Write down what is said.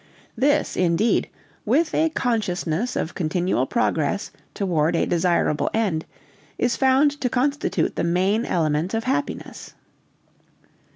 This, indeed, with a consciousness of continual progress toward a desirable end, is found to constitute the main element of happiness.